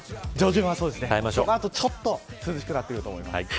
その後ちょっと涼しくなると思います。